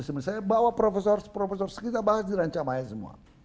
saya bawa profesor profesor kita bahas di ranca maya semua